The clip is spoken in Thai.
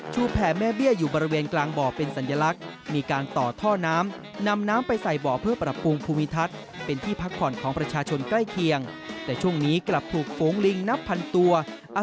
ซึ่งที่อุทยานหิงเขางูแห่งนี้เป็นอีกหนึ่งแหล่งท่องเที่ยวของจังหวัด